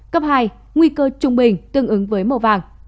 cấp hai nguy cơ trung bình tương ứng với màu vàng